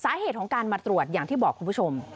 สาเหตุของการมาตรวจอย่างที่บอกคุณผู้ชม